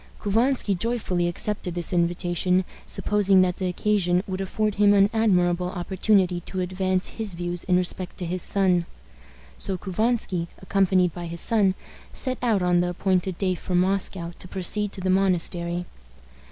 Couvansky joyfully accepted this invitation, supposing that the occasion would afford him an admirable opportunity to advance his views in respect to his son. So Couvansky, accompanied by his son, set out on the appointed day from Moscow to proceed to the monastery.